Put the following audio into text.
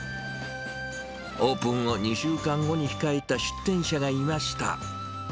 オープンを２週間後に控えた出店者がいました。